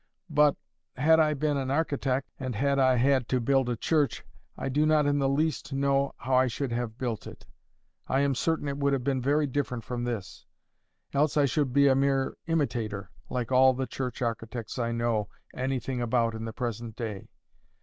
But, had I been an architect, and had I had to build a church—I do not in the least know how I should have built it—I am certain it would have been very different from this. Else I should be a mere imitator, like all the church architects I know anything about in the present day.